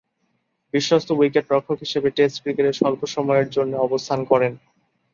বিশ্বস্ত উইকেট-রক্ষক হিসেবে টেস্ট ক্রিকেটে স্বল্প সময়ের জন্যে অবস্থান করেন।